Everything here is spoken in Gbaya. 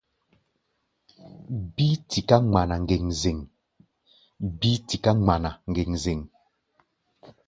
Bíí tiká ŋmana ŋgeŋzeŋ.